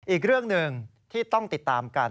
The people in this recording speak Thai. อีกเรื่องหนึ่งที่ต้องติดตามกัน